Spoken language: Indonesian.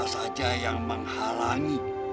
ada siapa saja yang menghalangi